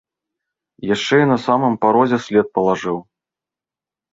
Яшчэ і на самым парозе след палажыў.